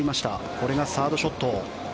これがサードショット。